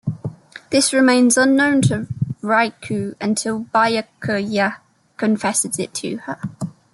This remains unknown to Rukia until Byakuya confesses it to her.